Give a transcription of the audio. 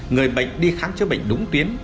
người bệnh đi khám chữa bệnh đúng tuyến